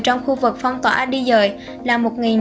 trong khu vực phong tỏa đi dời là